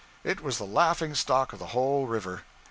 It was the laughing stock of the whole river.